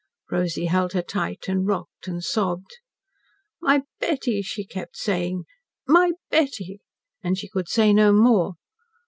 Rosy held her tight, and rocked and sobbed. "My Betty," she kept saying. "My Betty," and she could say no more.